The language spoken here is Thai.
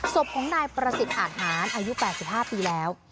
ศพของนายประสิทธิ์อาทหารอายุ๘๕ปีแล้ว